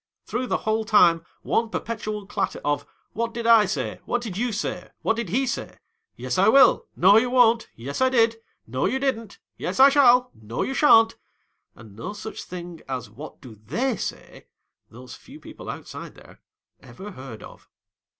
Through the whole time, one perpetual clatter of " What did I say, what did you say, what did he say 1 Yes I will, no you won't, yes I did, no you didn't, yes I shall, no you shan't" — and no such thing as what do they say 1 (those few people outside there) ever heard of